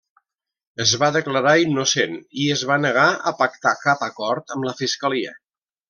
Es va declarar innocent i es va negar a pactar cap acord amb la fiscalia.